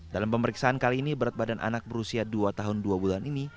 dalam pemeriksaan kali ini berat badan anak berusia dua tahun dua bulan ini